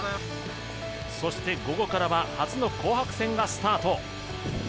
そして午後からは、初の紅白戦がスタート。